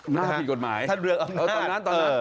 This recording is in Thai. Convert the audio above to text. หน้าผิดกฎหมายตอนนั้นตอนนั้น